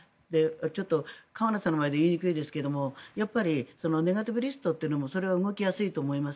ちょっと河野さんの前で言いにくいですけどやっぱりネガティブリストというのもそれは動きやすいと思います。